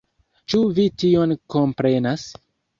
Ĉu vi tion komprenas?